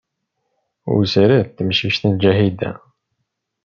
Wessret temcict n Ǧahida.